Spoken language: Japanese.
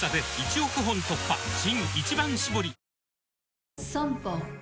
新「一番搾り」